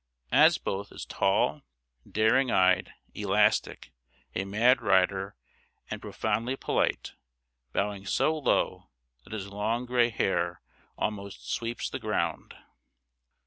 Asboth is tall, daring eyed, elastic, a mad rider, and profoundly polite, bowing so low that his long gray hair almost sweeps the ground.